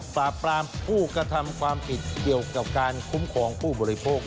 ปราบปรามผู้กระทำความผิดเกี่ยวกับการคุ้มครองผู้บริโภค